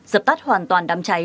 giập tắt hoàn toàn đám trái